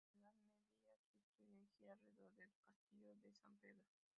Durante la Edad Media su historia gira alrededor de su castillo de San Pedro.